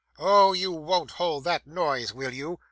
Oh! you won't hold that noise, won't you?